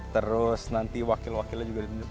terus nanti wakil wakilnya juga ditunjukkan